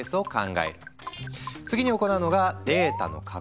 次に行うのがデータの加工。